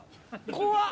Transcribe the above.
怖っ！